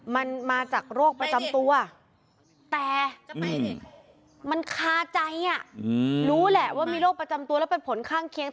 มันมาจากโรคประจำตัวแต่มันคาใจรู้แหละว่ามีโรคประจำตัวแล้วเป็นผลข้างเคียง